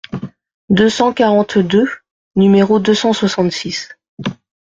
deux cent quarante-deux, nº deux cent soixante-six).